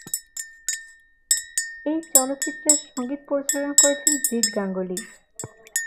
এই চলচ্চিত্রের সংগীত পরিচালনা করেছেন জিৎ গাঙ্গুলী।